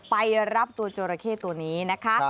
ไปรับตัวจราเข้ตัวนี้นะคะ